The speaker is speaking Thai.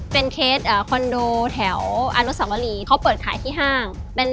เป็นเคสคอนโดแถวอนุสวรีเขาเปิดขายที่ห้าง